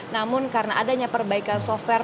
namun karena adanya perbaikan software